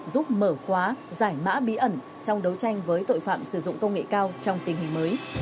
giúp mở khóa giải mã bí ẩn trong đấu tranh với tội phạm sử dụng công nghệ cao trong tình hình mới